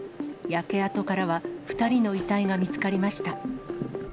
焼け跡からは２人の遺体が見つかりました。